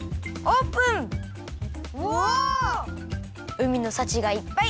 うみのさちがいっぱい！